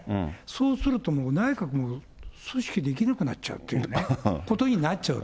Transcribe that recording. そうすると、もう内閣も組織できなくなっちゃうというね、ことになっちゃう。